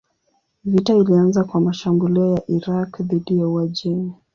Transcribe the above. Vita ilianza kwa mashambulio ya Irak dhidi ya Uajemi.